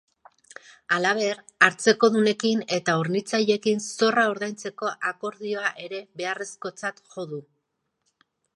Halaber, hartzekodunekin eta hornitzaileekin zorra ordaintzeko akordioa ere beharrezkotzat jo du.